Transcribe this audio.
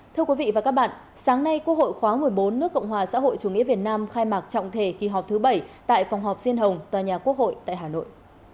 thưa quý vị và các bạn sáng nay quốc hội khóa một mươi bốn nước cộng hòa xã hội chủ nghĩa việt nam khai mạc trọng thể kỳ họp thứ bảy tại phòng họp diên hồng tòa nhà quốc hội tại hà nội